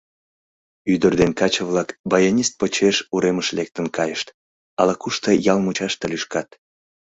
Ӱдыр ден каче-влак баянист почеш уремыш лектын кайышт, ала-кушто ял мучаште лӱшкат.